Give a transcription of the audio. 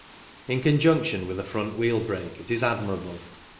In conjunction with a front wheel brake it is admirable.